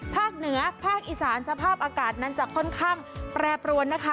ภาคเหนือภาคอีสานสภาพอากาศนั้นจะค่อนข้างแปรปรวนนะคะ